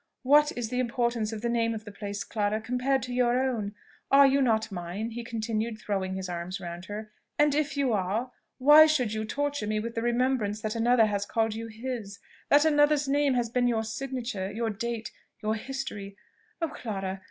What is the importance of the name of the place, Clara, compared to your own? Are you not mine?" he continued, throwing his arms round her; "and if you are why should you torture me with the remembrance that another has called you his? that another's name has been your signature, your date, your history? Oh, Clara!